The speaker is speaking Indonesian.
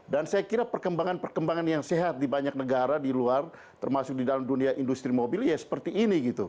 dan saya kira perkembangan perkembangan yang sehat di banyak negara di luar termasuk di dalam industri mobil ya seperti ini gitu